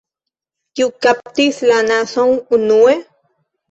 Kiu kaptis la anason unue?